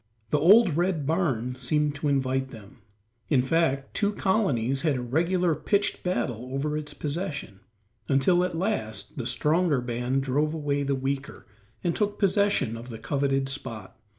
The old red barn seemed to invite them; in fact, two colonies had a regular pitched battle over its possession, until at last the stronger band drove away the weaker, and took possession of the coveted spot.